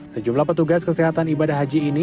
sejumlah petugas kesehatan ibadah haji ini